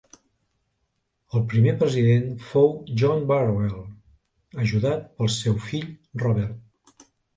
El primer president fou John Burwell, ajudat pel seu fill Robert.